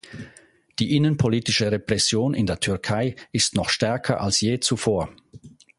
Die innenpolitische Repression in der Türkei ist noch stärker als je zuvor.